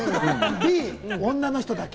Ｂ・女の人だけ。